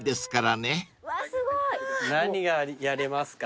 何がやれますか？